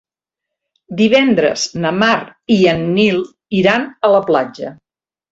Divendres na Mar i en Nil iran a la platja.